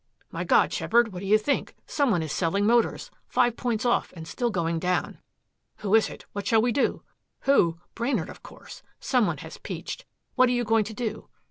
"My God, Sheppard, what do you think? Someone is selling Motors five points off and still going down." "Who is it? What shall we do?" "Who! Brainard, of course. Some one has peached. What are you going to do?"